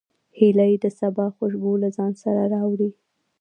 هیلۍ د سبا خوشبو له ځان سره راوړي